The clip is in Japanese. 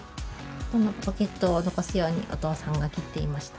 このポケットを残すようにお父さんが切っていました。